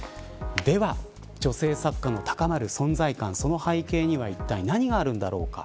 では、女性作家の高まる存在感その背景にはいったい、何があるんだろうか。